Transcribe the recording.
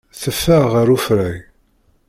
Teffeɣ ɣer ufrag.